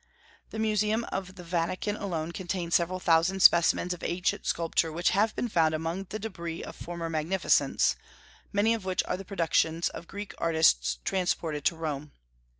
The Museum of the Vatican alone contains several thousand specimens of ancient sculpture which have been found among the débris of former magnificence, many of which are the productions of Greek artists transported to Rome.